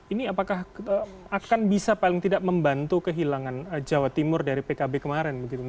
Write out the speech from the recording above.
ini apakah akan bisa paling tidak membantu kehilangan jawa timur dari pkb kemarin